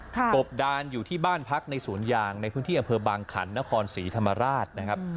กบดานอยู่ที่บ้านพักในสวนยางในพื้นที่อำเภอบางขันนครศรีธรรมราชนะครับ